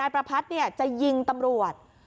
ประพัทธ์จะยิงตำรวจ